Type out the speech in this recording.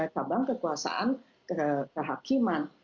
tabang kekuasaan kehakiman